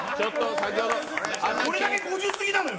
俺だけ５０過ぎなのよ。